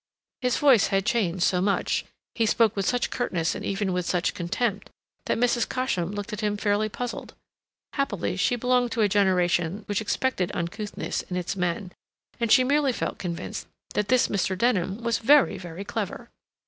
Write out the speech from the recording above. His voice had changed so much, he spoke with such curtness and even with such contempt, that Mrs. Cosham looked at him fairly puzzled. Happily she belonged to a generation which expected uncouthness in its men, and she merely felt convinced that this Mr. Denham was very, very clever.